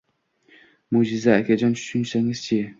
Mo»jiza, akajon, tushunsangiz-chi!